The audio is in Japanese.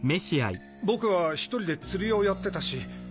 僕は１人で釣りをやってたし。